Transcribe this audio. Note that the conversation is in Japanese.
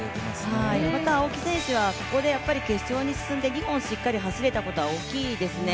また青木選手はここで決勝に進んで、２本しっかり走れたことは大きいですね。